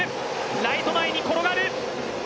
ライト前に転がる！